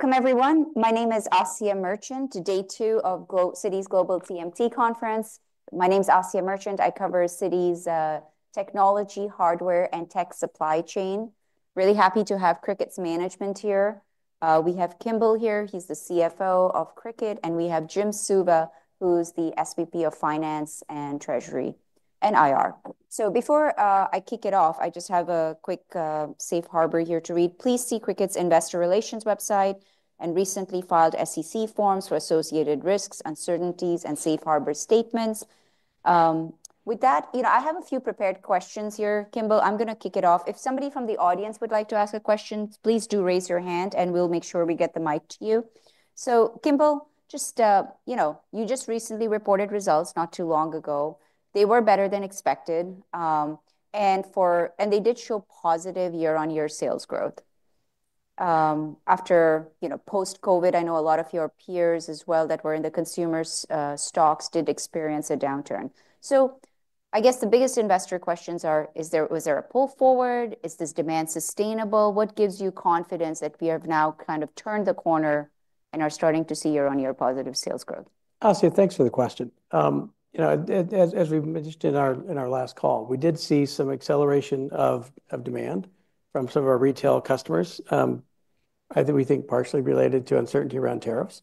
Welcome, everyone. My name is Asya Merchant, day two of Citi's Global TMT Conference. My name is Asya Merchant. I cover Citi's technology, hardware, and tech supply chain. Really happy to have Cricut's management here. We have Kimball here. He's the Chief Financial Officer of Cricut, and we have Jim Suva, who's the SVP of Finance, Treasury, and Investor Relations. Before I kick it off, I just have a quick safe harbor here to read. Please see Cricut's investor relations website and recently filed SEC forms for associated risks, uncertainties, and safe harbor statements. With that, I have a few prepared questions here. Kimball, I'm going to kick it off. If somebody from the audience would like to ask a question, please do raise your hand, and we'll make sure we get the mic to you. Kimball, you just recently reported results not too long ago. They were better than expected, and they did show positive year-on-year sales growth. After post-COVID, I know a lot of your peers as well that were in the consumer stocks did experience a downturn. I guess the biggest investor questions are, was there a pull forward? Is this demand sustainable? What gives you confidence that we have now kind of turned the corner and are starting to see year-on-year positive sales growth? Asya, thanks for the question. As we mentioned in our last call, we did see some acceleration of demand from some of our retail customers. I think we think partially related to uncertainty around tariffs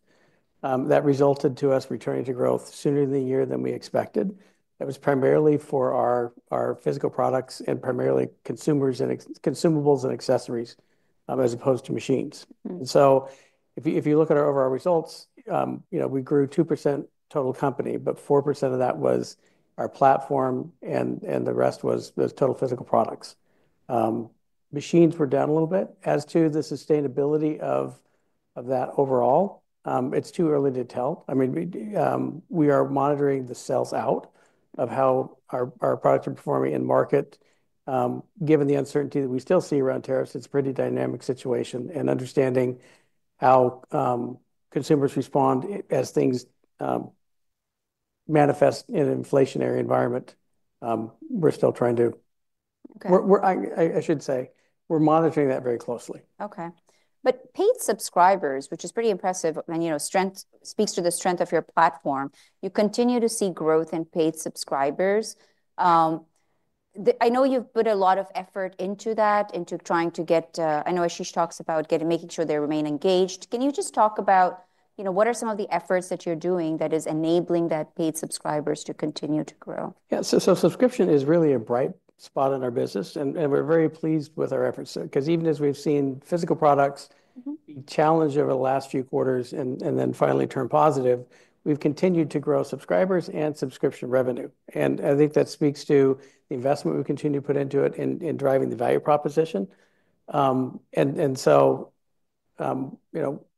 that resulted in us returning to growth sooner in the year than we expected. It was primarily for our physical products and primarily consumables and accessories as opposed to machines. If you look at our overall results, you know we grew 2% total company, but 4% of that was our platform, and the rest was those total physical products. Machines were down a little bit. As to the sustainability of that overall, it's too early to tell. We are monitoring the sells out of how our products are performing in market. Given the uncertainty that we still see around tariffs, it's a pretty dynamic situation. Understanding how consumers respond as things manifest in an inflationary environment, we're still trying to, I should say, we're monitoring that very closely. Okay. Paid subscribers, which is pretty impressive, and you know, speaks to the strength of your platform. You continue to see growth in paid subscribers. I know you've put a lot of effort into that, into trying to get, I know Ashish Arora talks about making sure they remain engaged. Can you just talk about what are some of the efforts that you're doing that are enabling paid subscribers to continue to grow? Yeah, subscription is really a bright spot in our business, and we're very pleased with our efforts. Even as we've seen physical products be challenged over the last few quarters and then finally turn positive, we've continued to grow subscribers and subscription revenue. I think that speaks to the investment we continue to put into it and driving the value proposition.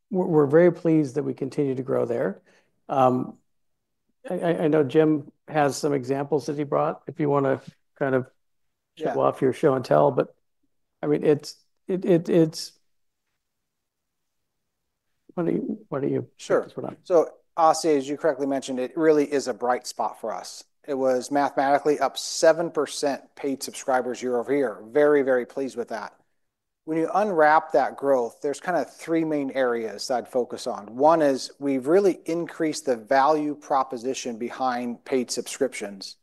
We're very pleased that we continue to grow there. I know Jim has some examples that he brought. If you want to kind of show off your show and tell, why don't you? Sure. Asya, as you correctly mentioned, it really is a bright spot for us. It was mathematically up 7% paid subscribers year over year. Very, very pleased with that. When you unwrap that growth, there's kind of three main areas I'd focus on. One is we've really increased the value proposition behind paid subscriptions,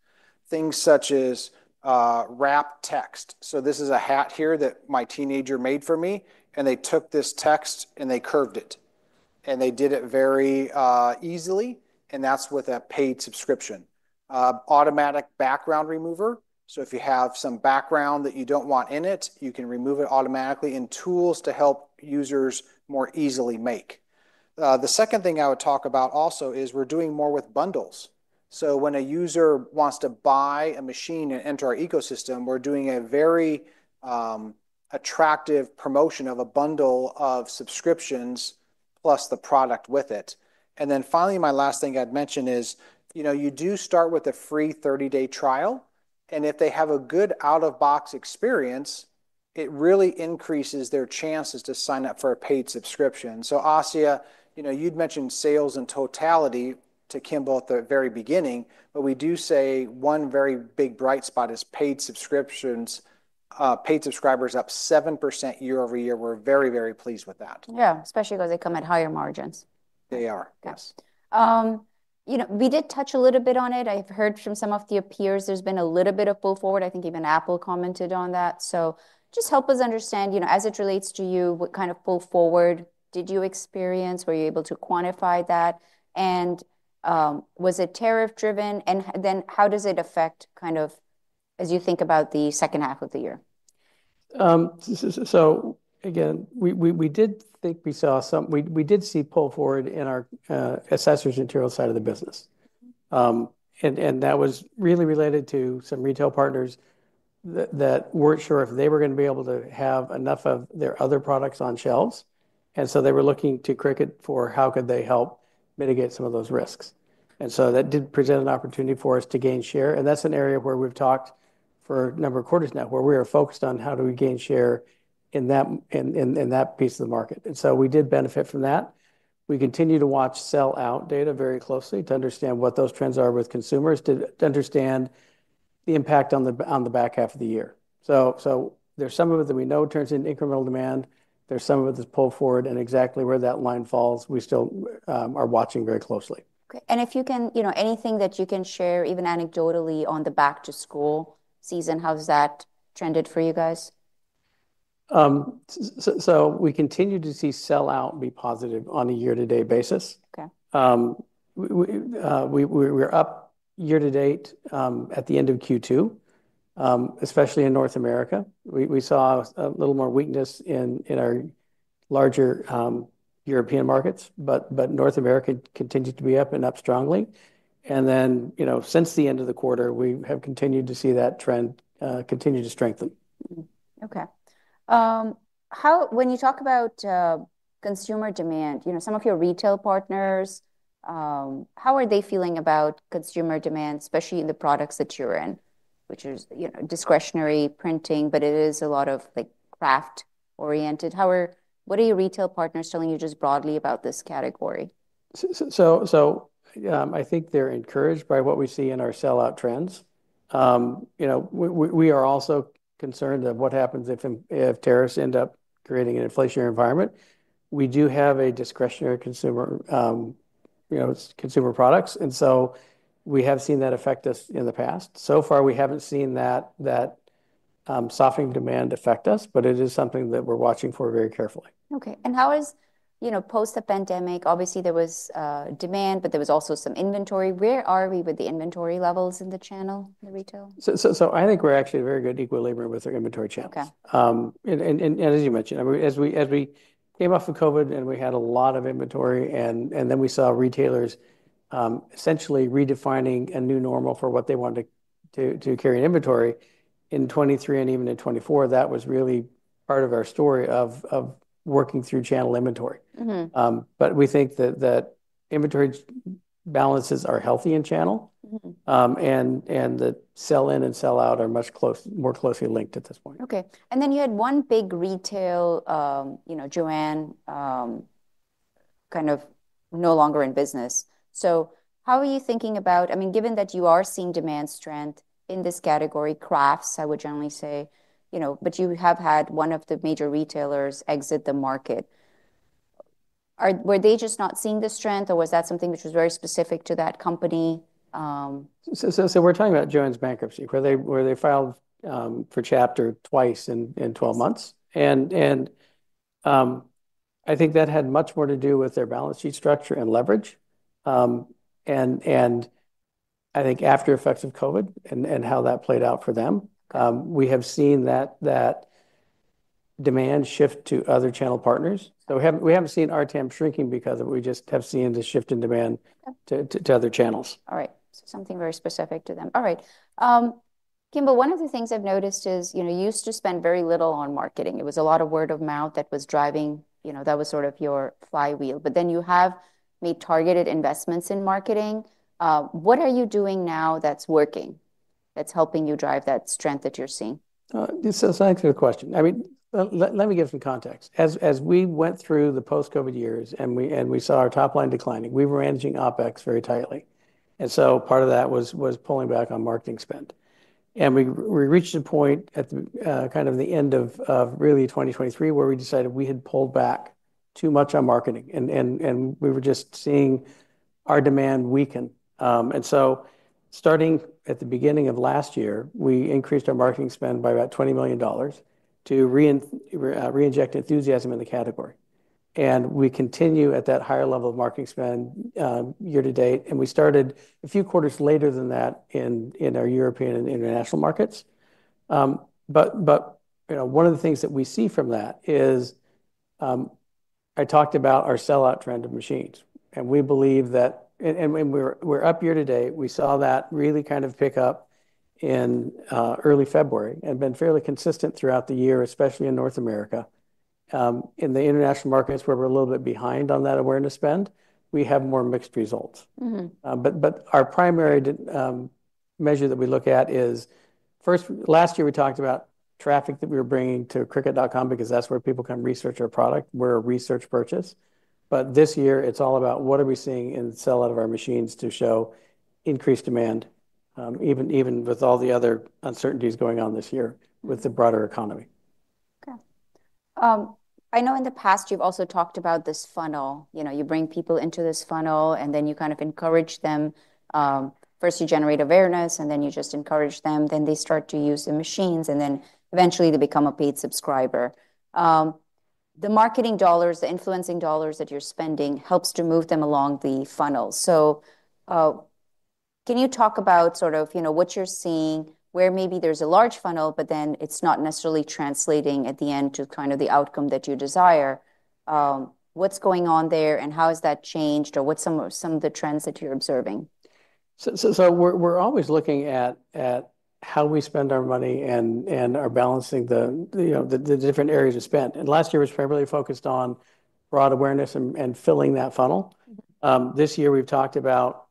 things such as wrap text. This is a hat here that my teenager made for me, and they took this text and they curved it. They did it very easily, and that's with that paid subscription. Automatic background remover. If you have some background that you don't want in it, you can remove it automatically in tools to help users more easily make. The second thing I would talk about also is we're doing more with bundles. When a user wants to buy a machine and enter our ecosystem, we're doing a very attractive promotion of a bundle of subscriptions plus the product with it. Finally, my last thing I'd mention is you do start with a free 30-day trial. If they have a good out-of-box experience, it really increases their chances to sign up for a paid subscription. Asya, you'd mentioned sales in totality to Kimball at the very beginning. We do say one very big bright spot is paid subscriptions, paid subscribers up 7% year over year. We're very, very pleased with that. Yeah, especially because they come at higher margins. They are. Yes, we did touch a little bit on it. I've heard from some of your peers there's been a little bit of pull forward. I think even Apple commented on that. Just help us understand, you know, as it relates to you, what kind of pull forward did you experience? Were you able to quantify that? Was it tariff-driven? How does it affect, kind of as you think about the second half of the year? We did see pull forward in our accessories materials side of the business. That was really related to some retail partners that weren't sure if they were going to be able to have enough of their other products on shelves, and they were looking to Cricut for how could they help mitigate some of those risks. That did present an opportunity for us to gain share. That's an area where we've talked for a number of quarters now, where we are focused on how do we gain share in that piece of the market. We did benefit from that. We continue to watch sell-out data very closely to understand what those trends are with consumers, to understand the impact on the back half of the year. There's some of it that we know turns into incremental demand. There's some of it that's pull forward, and exactly where that line falls, we still are watching very closely. If you can, you know, anything that you can share, even anecdotally on the back-to-school season, how's that trended for you guys? We continue to see sell-out be positive on a year-to-date basis. We're up year-to-date e at the end of Q2, especially in North America. We saw a little more weakness in our larger European markets, but North America continues to be up and up strongly. Since the end of the quarter, we have continued to see that trend continue to strengthen. When you talk about consumer demand, you know, some of your retail partners, how are they feeling about consumer demand, especially in the products that you're in, which is discretionary printing, but it is a lot of craft-oriented? What are your retail partners telling you just broadly about this category? I think they're encouraged by what we see in our sell-out trends. We are also concerned about what happens if tariffs end up creating an inflationary environment. We do have discretionary consumer products, and we have seen that affect us in the past. So far, we haven't seen that softening demand affect us, but it is something that we're watching for very carefully. How is post the pandemic? O bviously there was demand, but there was also some inventory. Where are we with the inventory levels in the channel in retail? I think we're actually in a very good equilibrium with our inventory channel. As you mentioned, as we came off of COVID and we had a lot of inventory, we saw retailers essentially redefining a new normal for what they wanted to carry in inventory in 2023 and 2024. That was really part of our story of working through channel inventory. We think that inventory balances are healthy in channel, and the sell-in and sell-out are much more closely linked at this point. You had one big retail, you know, JOANN, kind of no longer in business. How are you thinking about, I mean, given that you are seeing demand strength in this category, crafts, I would generally say, you know, you have had one of the major retailers exit the market. Were they just not seeing the strength, or was that something which was very specific to that company? We're talking about Joanne's bankruptcy, where they filed for Chapter twice in 12 months. I think that had much more to do with their balance sheet structure and leverage. I think after the effects of COVID and how that played out for them, we have seen that demand shift to other channel partners. We haven't seen our team shrinking because of it; we have just seen the shift in demand to other channels. All right. Kimball, one of the things I've noticed is that you used to spend very little on marketing. It was a lot of word of mouth that was driving, you know, that was sort of your flywheel. You have made targeted investments in marketing. What are you doing now that's working, that's helping you drive that strength that you're seeing? Thank you for the question. Let me give some context. As we went through the post-COVID years and we saw our top line declining, we were managing OpEx very tightly. Part of that was pulling back on marketing spend. We reached a point at the end of 2023 where we decided we had pulled back too much on marketing, and we were just seeing our demand weaken. Starting at the beginning of last year, we increased our marketing spend by about $20 million to reinject enthusiasm in the category. We continue at that higher level of marketing spend year to date. We started a few quarters later than that in our European and international markets. One of the things that we see from that is I talked about our sell-out trend of machines. We believe that, and we're up year to date, we saw that really pick up in early February and it has been fairly consistent throughout the year, especially in North America. In the international markets where we're a little bit behind on that awareness spend, we have more mixed results. Our primary measure that we look at is, first, last year we talked about traffic that we were bringing to Cricut.com because that's where people come research our product. We're a research purchase. This year, it's all about what we are seeing in the sell-out of our machines to show increased demand, even with all the other uncertainties going on this year with the broader economy. I know in the past you've also talked about this funnel. You know, you bring people into this funnel, and then you kind of encourage them. First, you generate awareness, and then you just encourage them. They start to use the machines, and then eventually they become a paid subscriber. The marketing dollars, the influencing dollars that you're spending helps to move them along the funnel. Can you talk about sort of what you're seeing, where maybe there's a large funnel, but then it's not necessarily translating at the end to kind of the outcome that you desire? What's going on there, and how has that changed, or what's some of the trends that you're observing? We are always looking at how we spend our money and are balancing the different areas of spending. Last year, it was primarily focused on broad awareness and filling that funnel. This year, we've talked about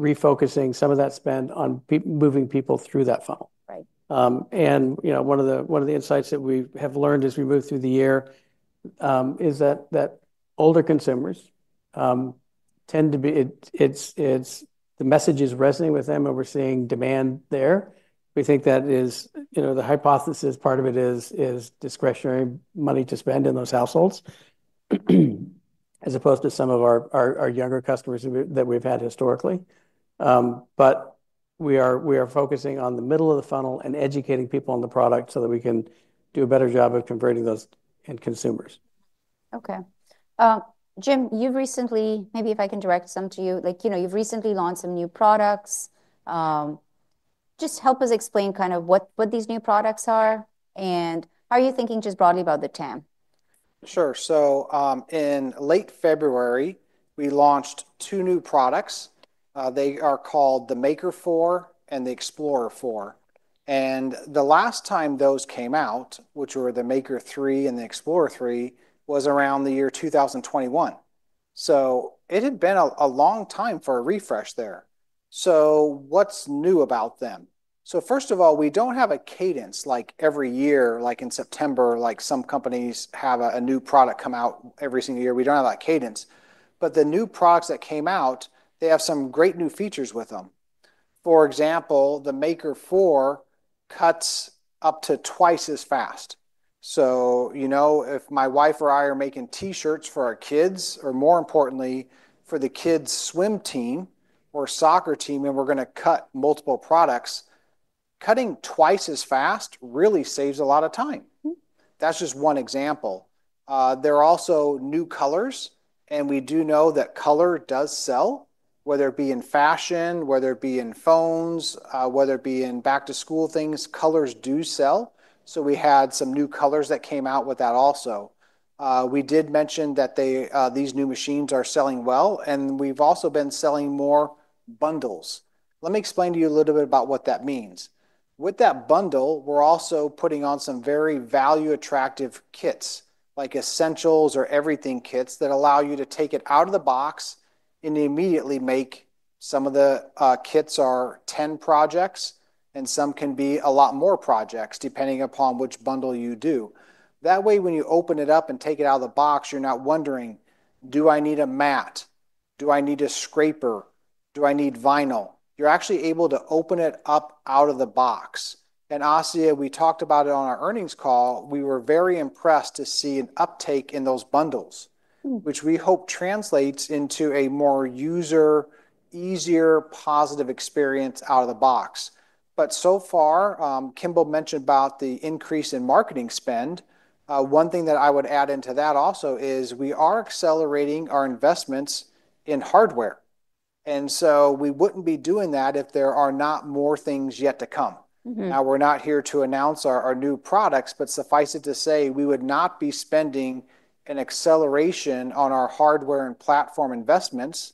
refocusing some of that spend on moving people through that funnel. One of the insights that we have learned as we move through the year is that older consumers tend to be, the message is resonating with them, and we're seeing demand there. We think that is the hypothesis. Part of it is discretionary money to spend in those households as opposed to some of our younger customers that we've had historically. We are focusing on the middle of the funnel and educating people on the product so that we can do a better job of converting those end consumers. OK. Jim, you've recently, maybe if I can direct some to you, you've recently launched some new products. Just help us explain kind of what these new products are, and how are you thinking just broadly about the TAM? Sure. In late February, we launched two new products. They are called the Cricut Maker 4 and the Cricut Explore 4. The last time those came out, which were the Cricut Maker 3 and the Cricut Explore 3, was around the year 2021. It had been a long time for a refresh there. What's new about them? First of all, we don't have a cadence like every year, like in September, like some companies have a new product come out every single year. We don't have that cadence. The new products that came out have some great new features with them. For example, the Cricut Maker 4 cuts up to twice as fast. If my wife or I are making t-shirts for our kids, or more importantly, for the kids' swim team or soccer team, and we're going to cut multiple products, cutting twice as fast really saves a lot of time. That's just one example. There are also new colors, and we do know that color does sell, whether it be in fashion, in phones, or in back-to-school things, colors do sell. We had some new colors that came out with that also. We did mention that these new machines are selling well, and we've also been selling more bundles. Let me explain to you a little bit about what that means. With that bundle, we're also putting on some very value-attractive kits, like essentials or everything kits that allow you to take it out of the box and immediately make. Some of the kits are 10 projects, and some can be a lot more projects depending upon which bundle you do. That way, when you open it up and take it out of the box, you're not wondering, do I need a mat? Do I need a scraper? Do I need vinyl? You're actually able to open it up out of the box. Asya, we talked about it on our earnings call. We were very impressed to see an uptake in those bundles, which we hope translates into a more user, easier, positive experience out of the box. Kimball mentioned the increase in marketing spend. One thing that I would add into that also is we are accelerating our investments in hardware. We wouldn't be doing that if there are not more things yet to come. We're not here to announce our new products, but suffice it to say, we would not be spending an acceleration on our hardware and platform investments,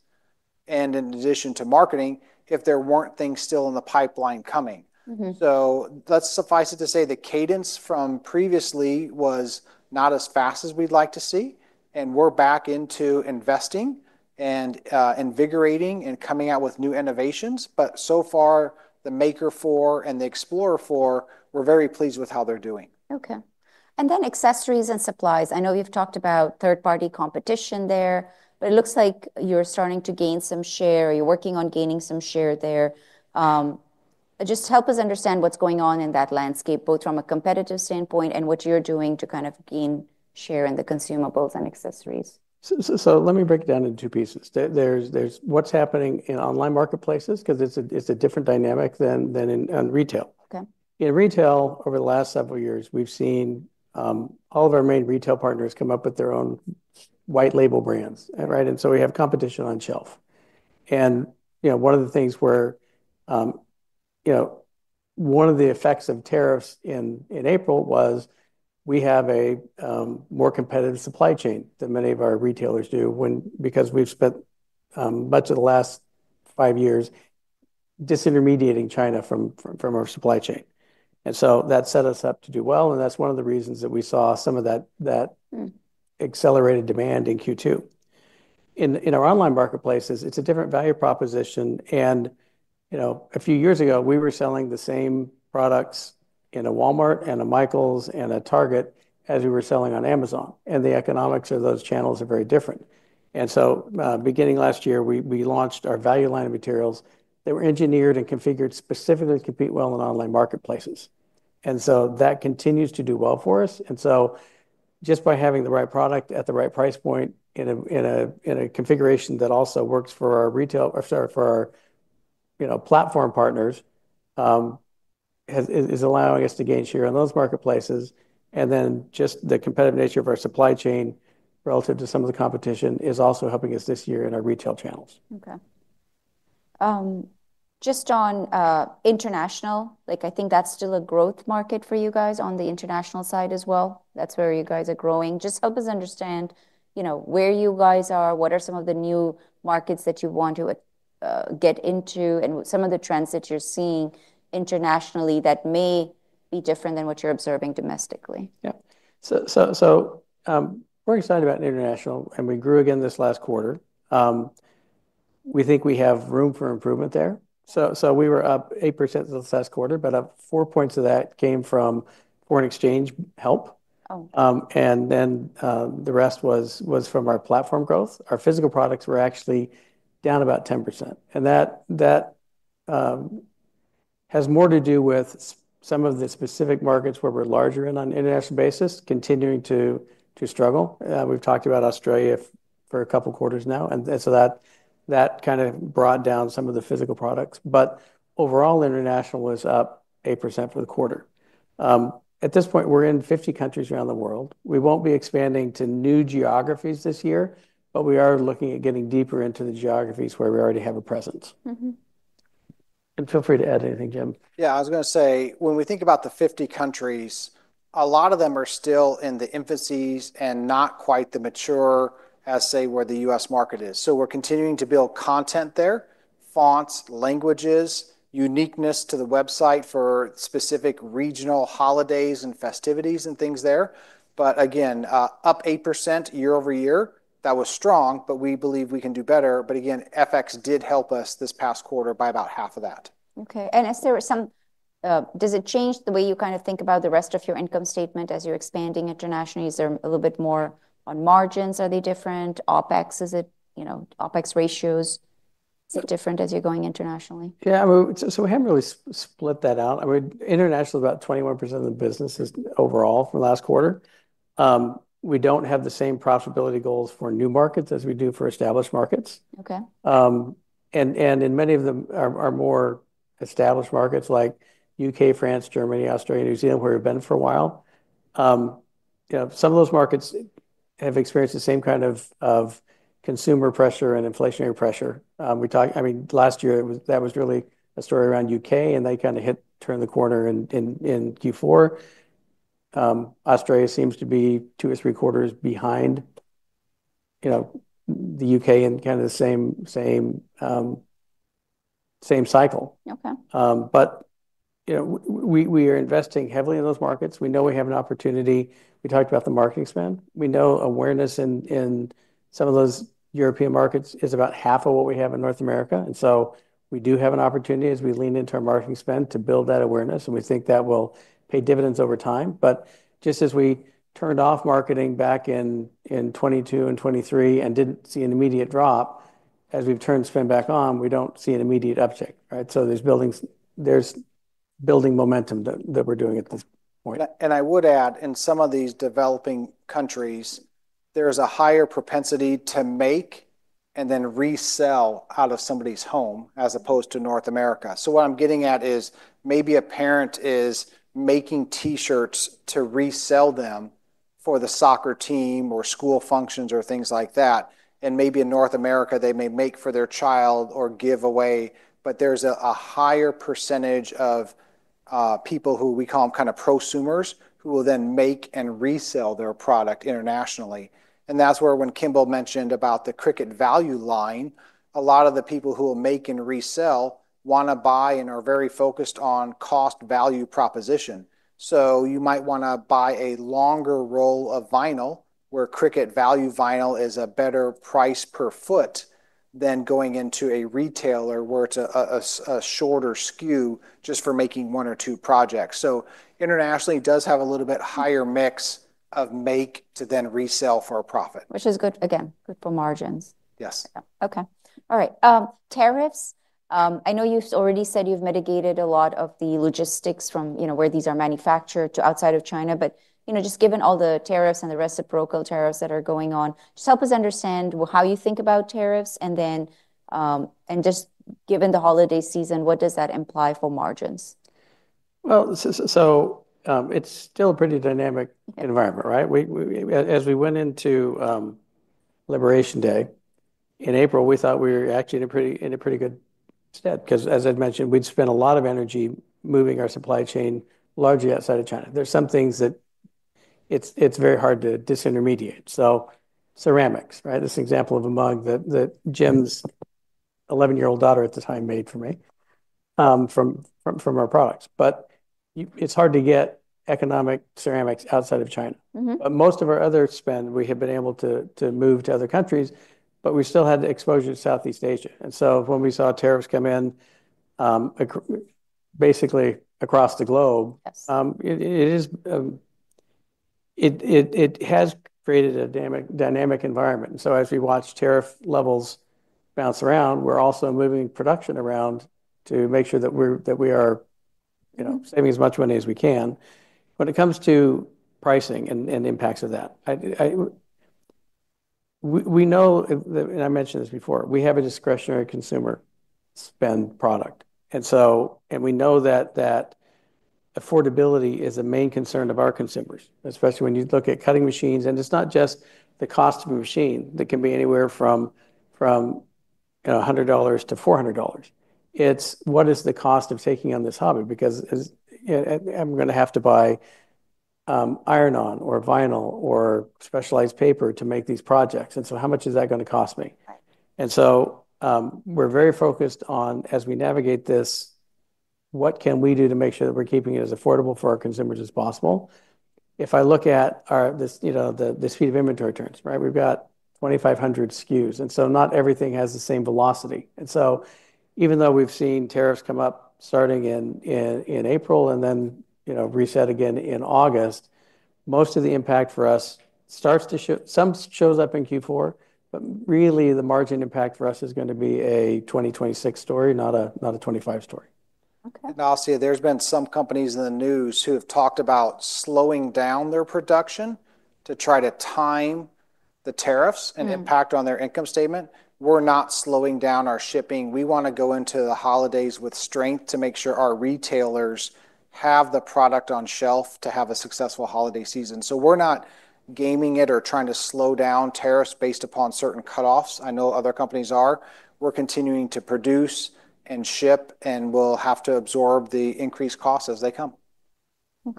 in addition to marketing, if there weren't things still in the pipeline coming. The cadence from previously was not as fast as we'd like to see, and we're back into investing and invigorating and coming out with new innovations. So far, the Cricut Maker 4 and the Cricut Explore 4, we're very pleased with how they're doing. Accessories and supplies, I know we've talked about third-party competition there, but it looks like you're starting to gain some share, or you're working on gaining some share there. Just help us understand what's going on in that landscape, both from a competitive standpoint and what you're doing to kind of gain share in the consumables and accessories. Let me break it down into two pieces. There's what's happening in online marketplaces because it's a different dynamic than in retail. In retail, over the last several years, we've seen all of our main retail partners come up with their own white label brands, so we have competition on shelf. One of the effects of tariffs in April was we have a more competitive supply chain than many of our retailers do because we've spent much of the last five years disintermediating China from our supply chain. That set us up to do well, and that's one of the reasons that we saw some of that accelerated demand in Q2. In our online marketplaces, it's a different value proposition. A few years ago, we were selling the same products in a Walmart, a Michaels, and a Target as we were selling on Amazon. The economics of those channels are very different. Beginning last year, we launched our value line of materials. They were engineered and configured specifically to compete well in online marketplaces, so that continues to do well for us. Just by having the right product at the right price point in a configuration that also works for our platform partners is allowing us to gain share in those marketplaces. The competitive nature of our supply chain relative to some of the competition is also helping us this year in our retail channels. Just on international, I think that's still a growth market for you guys on the international side as well. That's where you guys are growing. Just help us understand where you guys are, what are some of the new markets that you want to get into, and some of the trends that you're seeing internationally that may be different than what you're observing domestically. Yeah. We're excited about international, and we grew again this last quarter. We think we have room for improvement there. We were up 8% this last quarter, but four points of that came from foreign exchange help. The rest was from our platform growth. Our physical products were actually down about 10%. That has more to do with some of the specific markets where we're larger on an international basis continuing to struggle. We've talked about Australia for a couple of quarters now. That kind of brought down some of the physical products. Overall, international is up 8% for the quarter. At this point, we're in 50 countries around the world. We won't be expanding to new geographies this year, but we are looking at getting deeper into the geographies where we already have a presence. Feel free to add anything, Jim. I was going to say, when we think about the 50 countries, a lot of them are still in the infancies and not quite as mature as, say, where the U.S. market is. We're continuing to build content there, fonts, languages, uniqueness to the website for specific regional holidays and festivities and things there. Again, up 8% year over year, that was strong, but we believe we can do better. Again, FX did help us this past quarter by about half of that. Is there some, does it change the way you kind of think about the rest of your income statement as you're expanding internationally? Is there a little bit more on margins? Are they different? OpEx, is it, you know, OpEx ratios? Is it different as you're going internationally? Yeah, so we haven't really split that out. I mean, international is about 21% of the business overall from the last quarter. We don't have the same profitability goals for new markets as we do for established markets. In many of our more established markets like the UK, France, Germany, Australia, and New Zealand, where we've been for a while, some of those markets have experienced the same kind of consumer pressure and inflationary pressure. Last year, that was really a story around the UK, and they kind of turned the corner in Q4. Australia seems to be two or three quarters behind the UK in kind of the same cycle. We are investing heavily in those markets. We know we have an opportunity. We talked about the marketing spend. We know awareness in some of those European markets is about half of what we have in North America. We do have an opportunity as we lean into our marketing spend to build that awareness, and we think that will pay dividends over time. Just as we turned off marketing back in 2022 and 2023 and didn't see an immediate drop, as we've turned spend back on, we don't see an immediate uptick. There's building momentum that we're doing at this point. I would add, in some of these developing countries, there is a higher propensity to make and then resell out of somebody's home as opposed to North America. What I'm getting at is maybe a parent is making t-shirts to resell them for the soccer team or school functions or things like that. Maybe in North America, they may make for their child or give away. There is a higher percentage of people who we call kind of prosumers who will then make and resell their product internationally. That is where, when Kimball mentioned the Cricut value line, a lot of the people who will make and resell want to buy and are very focused on the cost-value proposition. You might want to buy a longer roll of vinyl, where Cricut value vinyl is a better price per foot than going into a retailer where it's a shorter SKU just for making one or two projects. Internationally, it does have a little bit higher mix of make to then resell for a profit. Which is good, again, good for margins. Yes. OK. All right. Tariffs, I know you already said you've mitigated a lot of the logistics from where these are manufactured to outside of China. Just given all the tariffs and the reciprocal tariffs that are going on, just help us understand how you think about tariffs. Just given the holiday season, what does that imply for margins? It is still a pretty dynamic environment. As we went into Liberation Day in April, we thought we were actually in a pretty good step because, as I mentioned, we'd spent a lot of energy moving our supply chain largely outside of China. There are some things that are very hard to disintermediate. For example, ceramics—this example of a mug that Jim's 11-year-old daughter at the time made for me from our products. It is hard to get economic ceramics outside of China. Most of our other spend, we have been able to move to other countries, but we still had exposure to Southeast Asia. When we saw tariffs come in basically across the globe, it created a dynamic environment. As we watch tariff levels bounce around, we are also moving production around to make sure that we are saving as much money as we can when it comes to pricing and the impacts of that. We know, and I mentioned this before, we have a discretionary consumer spend product. We know that affordability is the main concern of our consumers, especially when you look at cutting machines. It is not just the cost of a machine that can be anywhere from $100- $400. It is what is the cost of taking on this hobby, because I am going to have to buy iron-on or vinyl or specialized paper to make these projects. How much is that going to cost me? We are very focused on, as we navigate this, what we can do to make sure that we are keeping it as affordable for our consumers as possible. If I look at the speed of inventory turns, we've got 2,500 SKUs, and not everything has the same velocity. Even though we've seen tariffs come up starting in April and then reset again in August, most of the impact for us starts to show up in Q4. The margin impact for us is going to be a 2026 story, not a 2025 story. Asya, there have been some companies in the news who have talked about slowing down their production to try to time the tariffs and impact on their income statement. We're not slowing down our shipping. We want to go into the holidays with strength to make sure our retailers have the product on shelf to have a successful holiday season. We're not gaming it or trying to slow down tariffs based upon certain cutoffs. I know other companies are. We're continuing to produce and ship, and we'll have to absorb the increased costs as they come. I'm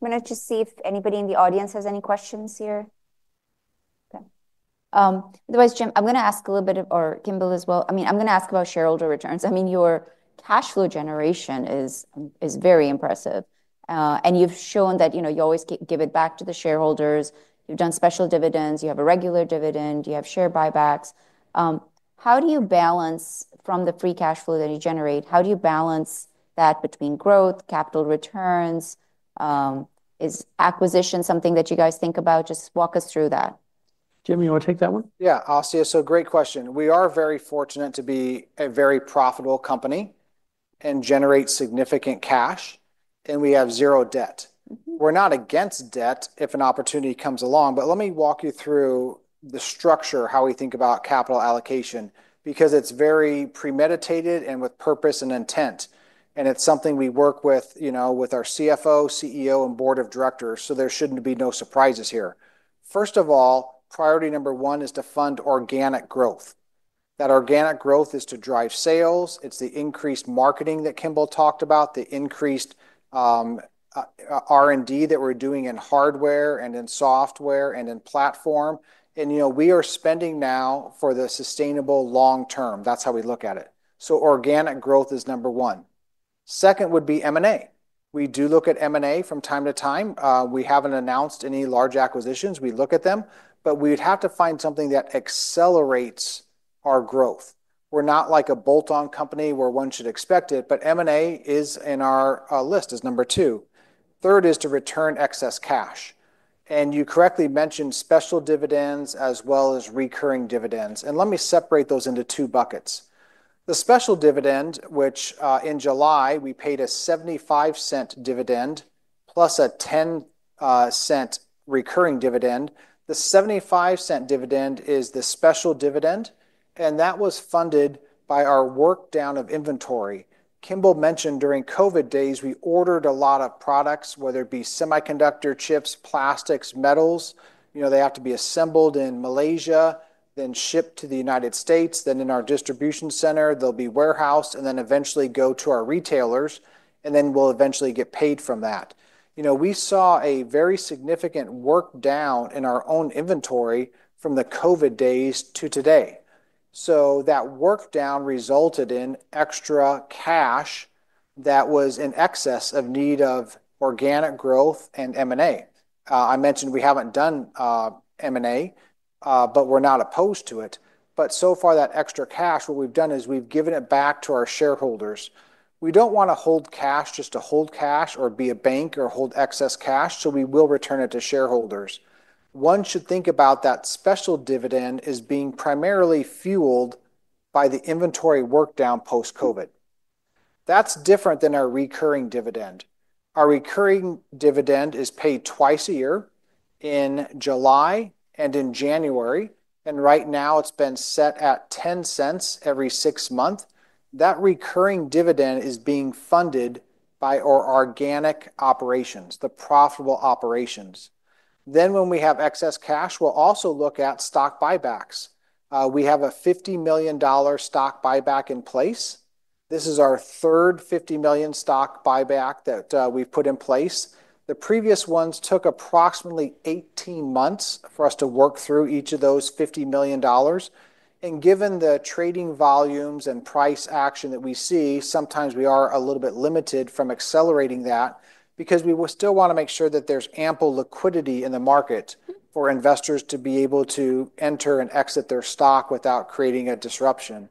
going to just see if anybody in the audience has any questions here? Okay. Otherwise, Jim, I'm going to ask a little bit, or Kimball as well. I'm going to ask about shareholder returns. Your cash flow generation is very impressive, and you've shown that you always give it back to the shareholders. You've done special dividends, you have a regular dividend, you have share buybacks. How do you balance from the free cash flow that you generate? How do you balance that between growth, capital returns? Is acquisition something that you guys think about? Just walk us through that. Jim, you want to take that one? Yeah, Asya, great question. We are very fortunate to be a very profitable company and generate significant cash, and we have zero debt. We're not against debt if an opportunity comes along. Let me walk you through the structure, how we think about capital allocation, because it's very premeditated and with purpose and intent. It's something we work with our CFO, CEO, and board of directors. There should be no surprises here. First of all, priority number one is to fund organic growth. That organic growth is to drive sales. It's the increased marketing that Kimball talked about, the increased R&D that we're doing in hardware and in software and in platform. We are spending now for the sustainable long term. That's how we look at it. Organic growth is number one. Second would be M&A. We do look at M&A from time to time. We haven't announced any large acquisitions. We look at them. We would have to find something that accelerates our growth. We're not like a bolt-on company where one should expect it. M&A is in our list as number two. Third is to return excess cash. You correctly mentioned special dividends as well as recurring dividends. Let me separate those into two buckets. The special dividend, which in July we paid a $0.75 dividend plus a $0.10 recurring dividend, the $0.75 dividend is the special dividend. That was funded by our workdown of inventory. Kimball mentioned during COVID days, we ordered a lot of products, whether it be semiconductor chips, plastics, metals. They have to be assembled in Malaysia, then shipped to the United States. In our distribution center, they'll be warehoused, and then eventually go to our retailers. We'll eventually get paid from that. We saw a very significant workdown in our own inventory from the COVID days to today. That workdown resulted in extra cash that was in excess of need of organic growth and M&A. I mentioned we haven't done M&A, but we're not opposed to it. So far, that extra cash, what we've done is we've given it back to our shareholders. We don't want to hold cash just to hold cash or be a bank or hold excess cash. We will return it to shareholders. One should think about that special dividend as being primarily fueled by the inventory workdown post-COVID. That's different than our recurring dividend. Our recurring dividend is paid twice a year in July and in January. Right now, it's been set at $0.10 every six months. That recurring dividend is being funded by our organic operations, the profitable operations. When we have excess cash, we'll also look at stock buybacks. We have a $50 million stock buyback in place. This is our third $50 million stock buyback that we've put in place. The previous ones took approximately 18 months for us to work through each of those $50 million. Given the trading volumes and price action that we see, sometimes we are a little bit limited from accelerating that because we will still want to make sure that there's ample liquidity in the market for investors to be able to enter and exit their stock without creating a disruption.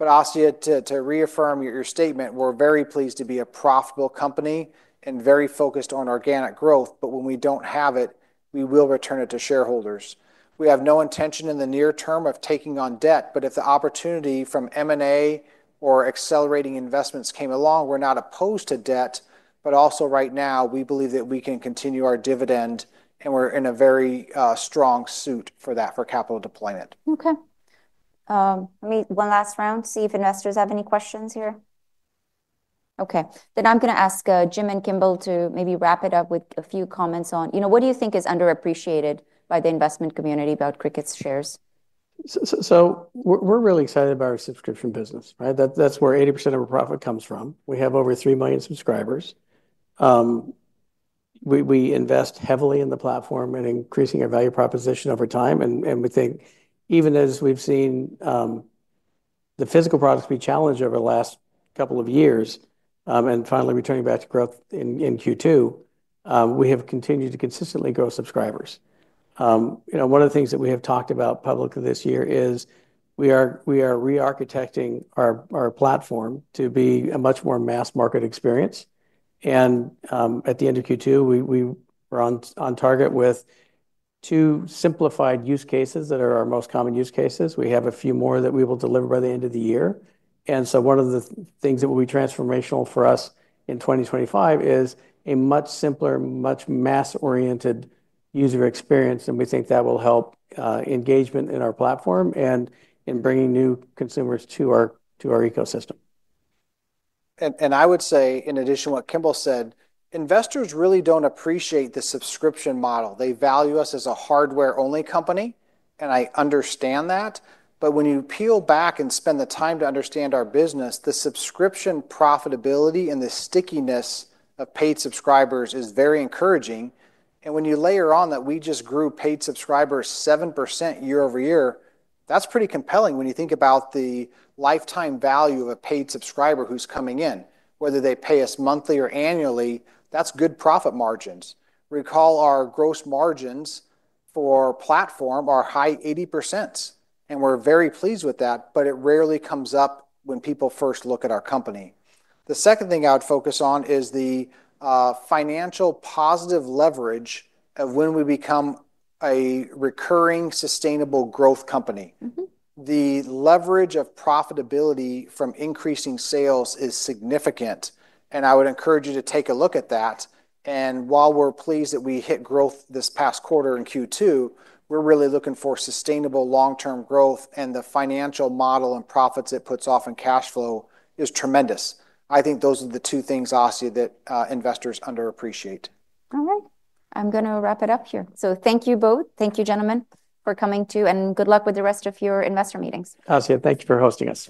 Asya, to reaffirm your statement, we're very pleased to be a profitable company and very focused on organic growth. When we don't have it, we will return it to shareholders. We have no intention in the near term of taking on debt. If the opportunity from M&A or accelerating investments came along, we're not opposed to debt. Right now, we believe that we can continue our dividend, and we're in a very strong suit for that for capital deployment. Let me do one last round, see if investors have any questions here. Then i'm going to ask Jim and Kimball to maybe wrap it up with a few comments on what do you think is underappreciated by the investment community about Cricut's shares? We are really excited about our subscription business. That's where 80% of our profit comes from. We have over 3 million subscribers. We invest heavily in the platform and increasing our value proposition over time. We think even as we've seen the physical products be challenged over the last couple of years, and finally returning back to growth in Q2, we have continued to consistently grow subscribers. One of the things that we have talked about publicly this year is we are re-architecting our platform to be a much more mass-market experience. At the end of Q2, we were on target with two simplified use cases that are our most common use cases. We have a few more that we will deliver by the end of the year. One of the things that will be transformational for us in 2025 is a much simpler, much mass-oriented user experience. We think that will help engagement in our platform and in bringing new consumers to our ecosystem. I would say, in addition to what Kimball said, investors really don't appreciate the subscription model. They value us as a hardware-only company. I understand that. When you peel back and spend the time to understand our business, the subscription profitability and the stickiness of paid subscribers is very encouraging. When you layer on that we just grew paid subscribers 7% year over year, that's pretty compelling when you think about the lifetime value of a paid subscriber who's coming in. Whether they pay us monthly or annually, that's good profit margins. Recall our gross margins for our platform are high 80%. We're very pleased with that. It rarely comes up when people first look at our company. The second thing I would focus on is the financial positive leverage of when we become a recurring sustainable growth company. The leverage of profitability from increasing sales is significant. I would encourage you to take a look at that. While we're pleased that we hit growth this past quarter in Q2, we're really looking for sustainable long-term growth. The financial model and profits it puts off in cash flow is tremendous. I think those are the two things, Asya, that investors underappreciate. All right. I'm going to wrap it up here. Thank you both. Thank you, gentlemen, for coming too, and good luck with the rest of your investor meetings. Asya, thank you for hosting us.